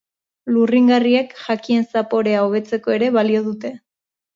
Lurringarriek jakien zaporea hobetzeko ere balio dute